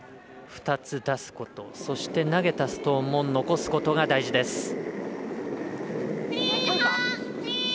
２つ出すことそして投げたストーンも残すことが大事です。